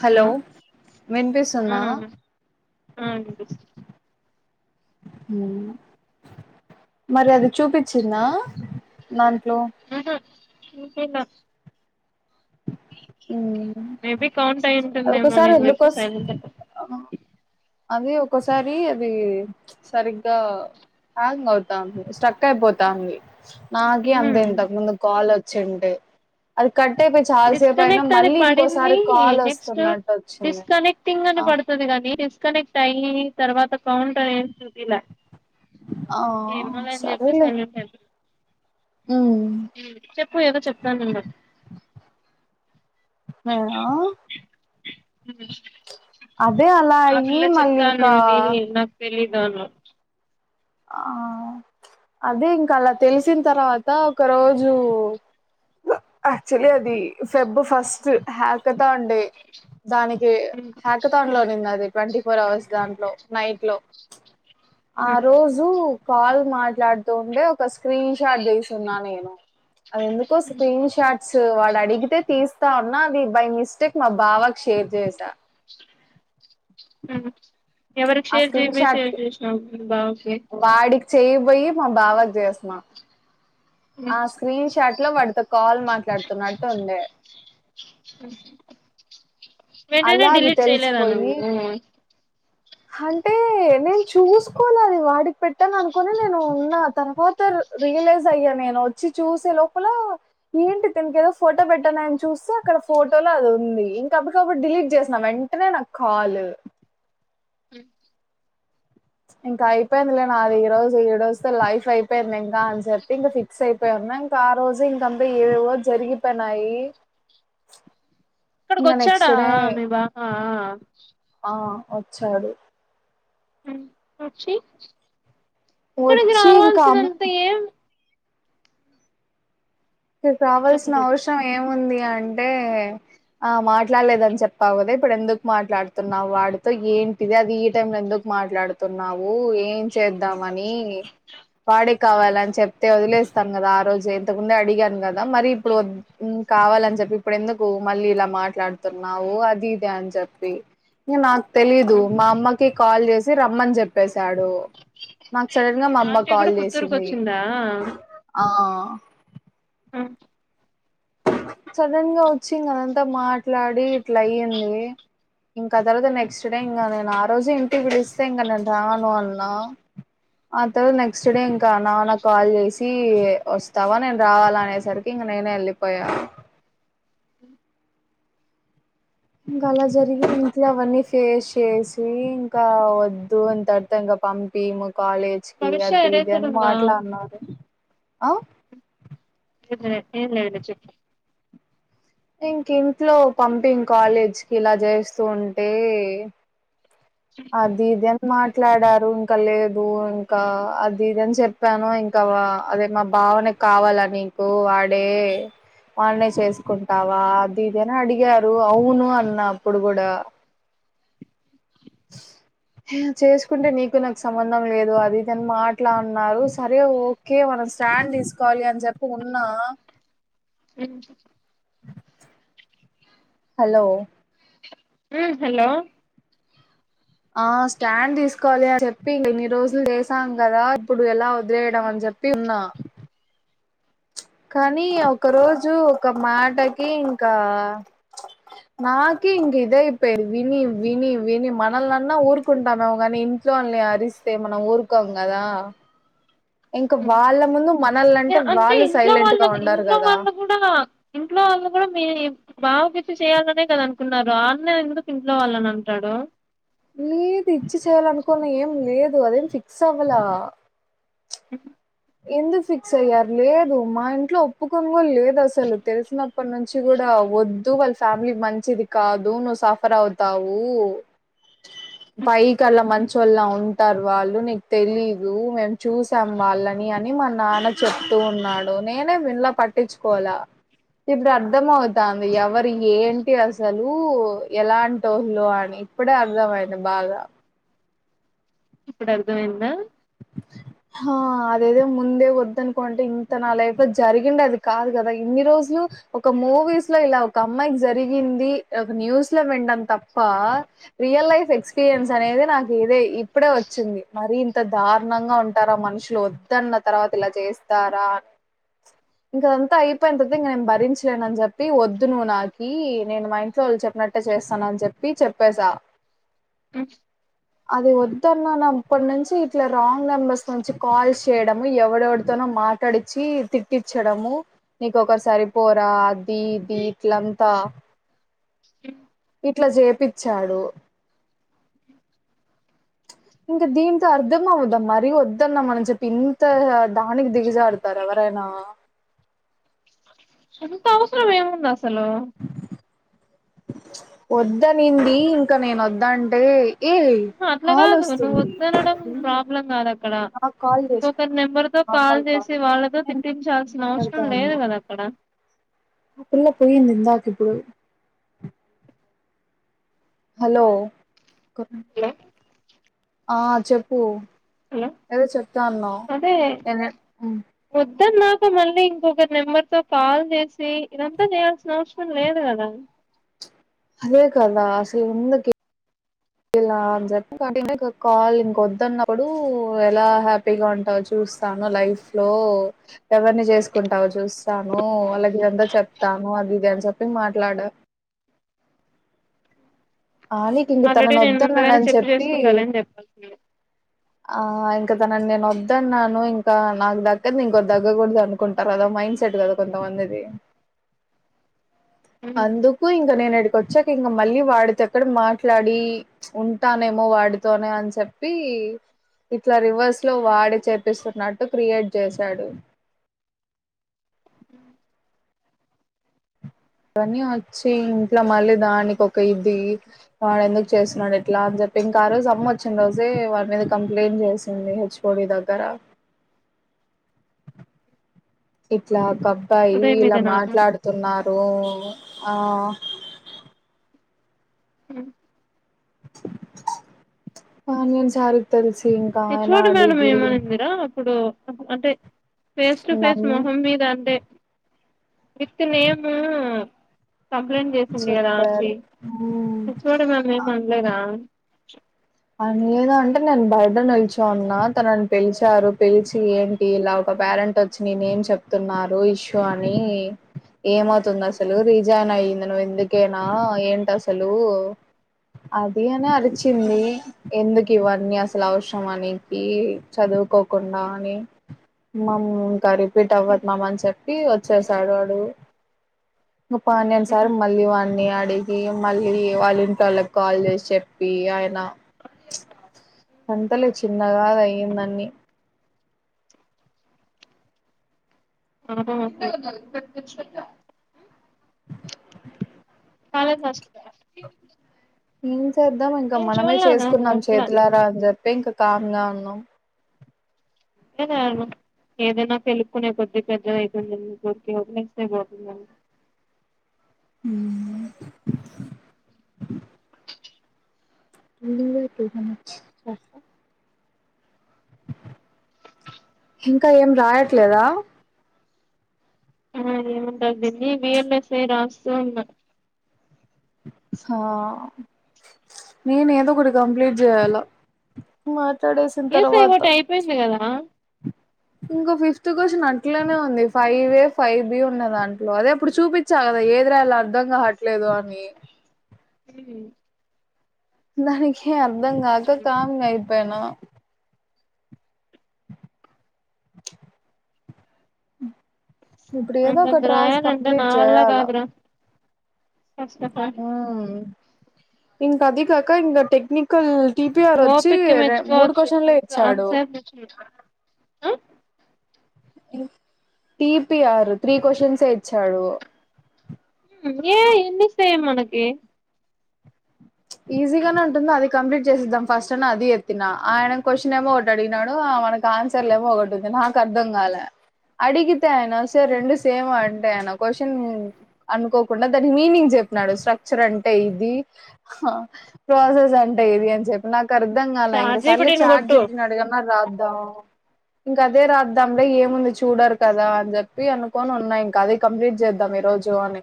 Hello ఆ వినిపిస్తుందా? ఆ వినిపిస్తుంది హ్మ్ మరి అది చూపించ్చిందా నా మ్ హు చూపిలా ఉమ్ మేబీ కౌంట్ అయి ఉంటుందేమో లే ఒక్కోసారి అని ఎందుకు చెప్పి ఒస్ సైలెంట్ అయిపోయా అది ఒక్కోసారి అది చ్ సరిగ్గా హాంగ్ అవుతాంది స్ట్రక్ అయిపోతాంది. నాకి హ్మ్ అంతేంతే ముందు కాల్ వచ్చింటే అది కట్ అయిపోయి చాలాసేపు అయినా డిస్కనెక్ట్ అని మళ్ళీ ఇంకోసారి పడింది కాల్ నెక్స్ట్ వస్తున్నట్టు వచ్చింది ఆ కాని డిస్కనెక్ట్ అయ్యి తర్వాత కౌంటర్ ఏ ఇలా ఆ ఎమోలే అని చెప్పి సరేలే సైలెంట్ అయి హ్మ్ చెప్పు ఏదో చెప్తానన్నావ్? నేనా అదే అలా ఆ అయ్యి పిల్ల మళ్ళీ చెప్తా ఇంకా అనింది నాకు తెలీదు డోంట్నో ఆ అదే ఇంకా అలా తెలిసిన తర్వాత ఒక రోజు ఆక్చువలి అది ఫెబ్ ఫస్ట్ హ్యాకతా అండి. దానికి హ్యాకతాన్ లోనింది అది ట్వంటీ ఫోర్ అవర్స్ దాంట్లో నైట్లో ఆ రోజు కాల్ మాట్లాడుతూ ఉంటే ఒక స్క్రీన్ షాట్ తీసున్నా నేను అది ఎందుకో స్క్రీన్ షాట్స్ వాడు అడిగితే తీస్తా అన్నా అది బై మిస్టేక్ మా బావకి షేర్ చేసా ఉమ్ ఎవరికి ఆ షేర్ స్క్రీన్ చేయబోయి షాట్ షేర్ చేసినావు మీ బావ కి వాడికి చేయ్యబోయి మా బావకి చేస్నా హ్మ్ ఆ స్క్రీన్ షాట్ లో వాడితో కాల్ మాట్లాడుతున్నట్టు ఉంది హ్మ్ వెంటనే అలా అది డిలీట్ చేయ్లేదా నువ్వు హంటే నేను చూసుకోలేదు వాడికి పెట్టాను అనుకోని నేను ఉన్న తర్వాత రియలైజ్ అయ్యా నేను వచ్చి చూసే లోపల ఏంటి తిన్కి ఏదో ఫోటో పెట్టానని చూస్సే అక్కడ ఫోటోలో అది ఉంది ఇంక అప్పటికప్పుడు డిలీట్ చేసిన వెంటనే నాకు కాల్ ఇంకా అయిపోయిందిలే నా అది ఈ రోజు ఈ రోజుతో లైఫ్ అయిపోయింది ఇంకా అని చెప్పి ఇంకా ఫిక్స్ అయిపోయా ఇంకా ఆ రోజే ఇంకంత ఏవేనో జరిగిపోయినాయి. ఇక్కడికి ఇంకా వచ్చాడా నెక్స్ట్ డే మీ బావా ఆ వచ్చాడు మ్ వచ్చి ఇక్కడికి వచ్చి ఇంకా అమ్మ రావాల్సినంత ఏం ఇక్కడికి చెప్పు రావాల్సిన చెప్పు అవసరం ఏముంది అంటే? ఆ మాట్లాడలేదని చెప్పావు కదా ఇప్పుడు ఎందుకు మాట్లాడుతున్నావు వాడితో ఏంటిది అది ఈ టైమ్ లో ఎందుకు మాట్లాడుతున్నావు ఏం చేద్దామని వాడే కావాలన్చెప్తే వదిలేస్తాం కదా ఆ రోజే ఇంతకు ముందే అడిగా కదా మరి ఇప్పుడు కావాలని చెప్పి ఇప్పుడు ఎందుకు మళ్ళీ ఇలా మాట్లాడుతున్నావు అది ఇది అని అన్ చెప్పి ఇంకా నాక్ తెలీదు మా అమ్మకి కాల్ చేసి రమ్మన్ చెప్పేశాడు నాకు సడన్ గా మా అమ్మ ఆంటీ కూడా కాల్ పుత్తూరుకి చేసింది వచ్చిందా ఆ ఉ సడన్ గా వచ్చి ఇంకా అదంతా మాట్లాడి ఇట్లయ్యింది ఇంకా తర్వాత నెక్స్ట్ డే ఇంకా నేను ఆ రోజు ఇంటికి పిలిస్తే ఇంకా నేను రాను అన్నా ఆ తర్వాత నెక్స్ట్ డే ఇంకా నాన్న కాల్ చేసి వస్తవా నేను రావాల అనేసరికి నేనే ఎల్లిపోయా ఇంకా అలా జరిగింది ఇంట్లో అవన్నీ ఫేస్ చేసి ఇంకా వద్దు అంత అర్థం కా పంపియ్ ము కాలేజ్ కి భవిష్య అది ఇది ఎరేజర్ అని ఉందా మాట్లాడ్నారు ఆ అట్లెం లేదులే చెప్పు ఇంక ఇంట్లో పంపియుం కాలేజ్కి ఇలా చేస్తూ ఉంటే అది ఇది అని మాట్ మాట్లాడారు ఇంకా లేదు ఇంకా అది ఇదని చెప్పాను ఇంకా అదే మా బావ ని కావాలా నీకు వాడే వాన్నే చేసుకుంటావా అది ఇదనిఅడిగారు అవును అన్న అప్పుడు గూడ చేసుకుంటే నీకు నాకు సంబంధం లేదు అది ఇదని మాట్లాడ్ నారు సరే ఓకే మన స్టాండ్ తీసుకోవాలి అని చెప్పి ఉన్నా హు హలో హుమ్ హలో ఆ స్టాండ్ తీసుకోవాలి అని చెప్పి ఇన్ని రోజులు చేసాం కదా ఇప్పుడు ఎలా వదిలేయడం అని చెప్ చెప్పి ఉన్నా కానీ ఒక రోజు ఒక మాటకి ఇంకా నాకే ఇంక ఇదయిపోయింది విని విని విని మనల్నన్న ఊరుకుంటనేమో గానీ ఇంట్లో వాలని అరిస్తే మనం ఊరుకోం గదా అ అంటే వాళ్ళు ఇంట్లో సైలెంట్ గా వాళ్ళది ఉండరు ఇంట్లో కదా వాళ్ళు గూడ ఇంట్లో వాల్ వాళ్ళు గుడా మీ బావ కిచ్చే కదా చేయ్యాలనుకున్నారు ఆ అన్న ఎందుకు ఇంట్లో వాళ్ళని అంటాడు లేదు ఇచ్చి చేయాలనుకున్న ఏం లేదు అదేం ఫిక్స్ అవ్వలా ఎందుకు ఫిక్స్ అయ్యారు లేదు మా ఇంట్లో ఒప్పు కోన్ గుడా లేదు అసలు తెలిసినప్పటి నుంచి గుడా వద్దు వాళ్ళ ఫ్యామిలీ మంచిది కాదు నువ్వు సఫర్ అవుతావు పైకి అలా మంచోల్ల ఉంటారు వాళ్ళు నీకు తెలీదు మేము చూసాం వాళ్ళని అని మా నాన్న చెప్తూ ఉన్నాడు నేనే విన్ల పట్టించుకోలా ఇప్పుడు అర్థం అవుతాంది ఎవరు ఏంటి అసలు ఎలాంటోలు అని ఇప్పుడే అర్ధం అయింది బాగా ఇప్పుడు అర్థం అయ్యిందా హా అదేదో ముందే వద్దనుకుంటే ఇంత నా లైఫ్ లో జరిగిండది కాదు కదా ఇన్ని రోజు ఒక మూవీస్ లో ఇలా ఒక అమ్మాయికి ఇలా జరిగింది ఒక న్యూస్ ల విండం తప్పా రియల్ లైఫ్ ఎక్స్పీరియన్స్ అనేది నాకు ఇదే ఇప్పుడే వచ్చింది మరీ ఇంత దారుణంగా ఉంటారా మనుషులు వద్దన్న తర్వాత ఇలా చేస్తారా ఇంక అదంతా అయిపోయిన తర్వాత ఇంక నేను భరించలేను అని చెప్పి వద్దు నువ్వు నాకి నేను మా ఇంట్లో వాళ్లు చెప్పినట్టే చేస్తానని చెప్పి చెప్పేసా అది వద్దన్నా నప్పటి నుంచి ఇట్లా రాంగ్ నెంబర్స్ నుంచి కాల్స్ చేయడము ఎవడెవడితోనో మాట్లాడిచి తిట్టిచడము నీకొకరు సరిపోరా అది ఇది ఇట్లంతా ఇట్లా జేపిచ్చాడు ఇంకా దీంతో అర్ధం అవుద్దాం మరీ వద్దన్న మనం చెప్పి ఇంత దానికి దిగజారుతారా ఎవరైనా ఇంత అవసరం ఏముంది అసలు వద్దనింది ఇంకా నేను వద్దు అంటే అహా అట్లా కాదు నువ్వు వద్దు అనడం ప్రాబ్లం కాదు అక్కడ నాకు కాల్ చేసినాడు ఇంకొకరి నెంబర్తో కాల్ చేసి వాళ్లతో నేను తిట్టించాల్సిన మాట్లాడతా అవసరం లేదు ఉన్నా కదా అక్కడ ఆ పిల్ల పోయింది ఇందాక ఇప్పుడు హలో హలో ఆ చెప్పు హలో ఏదో చెప్తా అన్నావు మ్ వద్దు అన్నాక మళ్లీ ఇంకొక నెంబర్ తో కాల్ చేసి ఇదంతా చేయాల్సిన అవసరం లేదు కదా అదే కదా అసలు ఎందుకు ఇ లా అని చెప్పి కంటిన్యూ ఇ కాల్ ఇంక వద్దన్నప్పుడు ఎలా హ్యాపీగా ఉంటావో చూ స్తాను లైఫ్ లో ఎవరిని చేసుకుంటావో చూస్తాను వాళ్లకు ఇదంతా చెప్తా ను అది ఇది అని చెప్పి మాట్లాడా ఆనికి ఇంక ఆల్రెడీ తనను నేను ముందుగానే వద్దున్నానని చెప్పి చేసుకుంటాలని చెప్పాల్సింది ఆ ఇంక తనని నేను వద్దున్నాను ఇంకా నాకు దక్కంది ఇంకోరి దక్కకూడదు అనుకుంటారు కదా మైండ్ సెట్ కదా కొంతమం దిది ఉమ్ అందుకు ఇంక నేను ఈడికి వచ్చాక ఇంక మళ్లీ వాడితో అక్కడ మాట్లాడి ఉంటానేమో వాడితోనే అని చెప్పి ఇట్లా రివర్స్ లో వాడే చేపిస్తున్నట్టు క్రియేట్ చేశాడు మ్ ఇవన్నీ వచ్చి ఇంట్ల మళ్లీ దానికి ఒక ఇది వాడెందుకు చేస్తున్నాడు ఇట్లా అని చెప్పి ఇంకా ఆ రోజు అమ్మ వచ్చిన రోజే వాని మీద కంప్లైంట్ చేసింది హెచ్ ఓ డి దగ్గర ఇట్లా ఒక అబ్బాయి ఉదయం ఇలా ఇదేనా మాట్లాడుతున్నారు ఆ మ్ పానీయన్ సార్ కి తెల్సి హెచ్ ఓ డి మేడం ఏమనింది రా అప్పుడు అంటే ఫేస్ టు ఫేస్ నన్ను మొహం మీద అంటే విత్ నేమ్ కంప్లైంట్ చేసింది కదా ఆంటీ చెప్పారు మ్మ్. హెచ్ ఓ డి మేడం ఏం అనలేదా అనలేద అంటే నేను బయట నిలిచున్న తనని పిలిచారు పిలిచి ఏంటి ఇలా ఒక పేరెంట్ వచ్చి ని నేమ్ చెప్తున్నారు ఇష్యూ అని ఏమవుతుంది అసలు రీజాయిన్ అయింది నువ్వు ఎందుకేనా ఏంటి అసలు అది అని అరిచింది ఎందుకు ఇవన్నీ అసలు అవసరమా నీకి చదువుకోకుండా అని మామ్ ఇంకా రిపీట్ అవ్వదు మామ్ అని చెప్పి వచ్చేసాడు వాడు పానీయన్ సార్ మళ్లీ వాన్నీ అడి గి మళ్లీ వాళ్ల ఇంటోళ్ల కి కాల్ చేసి చెప్పి ఆయన అంతలు చిన్నగాదయ్యిందన్ని [inaudible] చాల కష్ట ఏం చేద్దాం ఇంకా మనమే చూడలేదా అసలు చేసుకున్నాం చేతులారా అని చెప్పి ఇంకా కామ్గా ఉన్నాం [inaudible] ఏదైనా తెలుపుకునే కొది పెద్దది అవుతుందం గురికిలేస్తే పోతుందండి ఉమ్ [inaudible] ఇంకా ఏం రాయట్లేదా ఆ ఏను ఉంటగదీ విఎల్స రాస్తున్న ఆ నేను ఏదో ఒకటి కంప్లీట్ చేయాలా మరి తడి వేసిన ఈఎస్ఐ తర్వాత ఒకటి అయిపోయింది కదా ఇంకో ఫిఫ్త్ క్వశ్చన్ అట్లోనే ఉంది ఫైవ్ ఏ ఫైవ్ బి ఉన్న దాంట్లో అదే అప్పుడు చూపించా కదా ఏదిరాలా అర్థం కావట్లేదు అని హ దానికే అర్ధంగా కాక కామ్ అయిపోయిన ఉమ్ ఇప్పుడు ఏదో ఒక అంతంత రాసి రాయాలంటే కంప్లీట్ నా వల్ల చేయాలా కాదురా ఫస్ట్ ఆఫ్ ఆల్ హా ఇంకా అదికకా ఇం టెక్నిికల్ టిపిఆర్ వచ్చి ఓపిక్కి ర మూడు మెచ్చుకోవచ్చు క్వశ్చన్లే అంత ఇచ్చాడు అంతసేపు మెచ్చుకున్నా టీపిఆర్ త్రీ క్వశ్చన్సే ఇచ్చాడు ఏ ఎన్ని ఇస్తే మనకి ఈజీగానే ఉంటుో అది కంప్లీట్ చేసేద్దాం ఫస్ట్ అని అది ఎత్తిన ఆయన క్వశ్చన్ ఏమో ఒకటి అడిగినాడు మనకు ఆన్సర్లేమో ఒకటి ఉంది నాకు అర్థం కాల అడిగి అ అయినా సే రెండు సేమ్ అండి క్వశ్చన్ అనుకోకుండా దాని మీనింగ్ చెప్పినాడు స్ట్రక్చర్ అంటే ఇది ప్రాసెస్ అంటా ఇది అని చెప్పి నాకు అర్థంగాాల ఇంక చాట్ జిపిటిని చాట్ కొట్టు జిపిటిని అడుగాన్న రాద్దాం ఇంకా అదే రాద్దాంలే ఏముంది చూడరు కదా అని చెప్పి అనుకోొని ఉన్నాయి ఇంకా అద కంప్లీట్ చేద్దాం రోజువాన్ని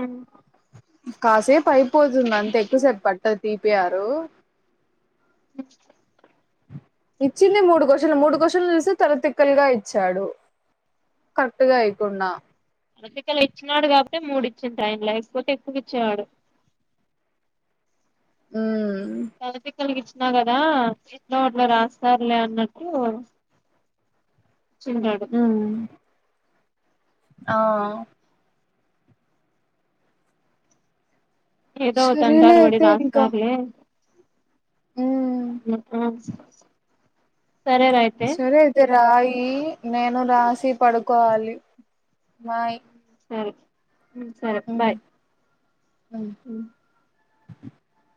అ కాసేపు అయిపోతుంది అంతే ఎక్కువసపు పట్టారు తీపియారు [inaudible] ఇచ్చింది మూడు క్వశ్చన్లు మూడు క్వశ్చన్లు చూస్తే తలతిక్కలుగా ఇచ్చాడు కరెక్ట్ గా ఇయ్యకుండా అసికలా ఇచ్చినాడు కాబట్టి మూడు ఇచ్చింది టైన్లో ఎకపోతే ఎక్కువకి ఇచ్చేవాడు ఉమ్ తల తిక్కలకిచ్చి ఇచ్చిన కదా ఎట్లా కట్ల రాస్తారులే అన్నట్టు ఇచ్చింటాడు ఉమ్ ఆ ఏదో ఒక సరేలే తంటాను బడి అయితే ఇంకా రాస్తలే ఉమ్ సరేరా అయితే సరే అయితే రాయి నేను రాసి పడుకోవాలి మాయి సరే మ్మ్ సరే బాయ్ ఉమ్ [inaudible]